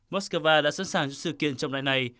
moscow đã sẵn sàng cho sự kiện trong đại này